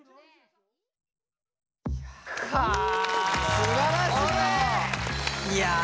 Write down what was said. すばらしい！